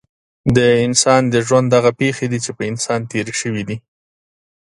د انسان د ژوند هغه پېښې دي چې په انسان تېرې شوې وي.